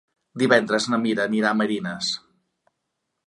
Divendres na Mira anirà a Marines.